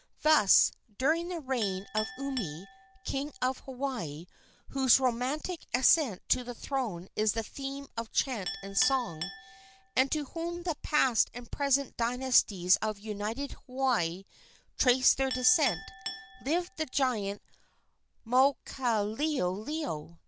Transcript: Thus, during the reign of Umi, king of Hawaii, whose romantic ascent to the throne is the theme of chant and song, and to whom the past and present dynasties of united Hawaii trace their descent, lived the giant Maukaleoleo.